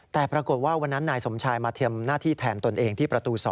แต่ปรากฏว่าวันนั้นนายสมชายมาทำหน้าที่แทนตนเองที่ประตู๒